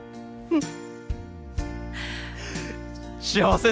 うん。